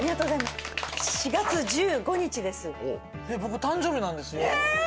４月１５日です。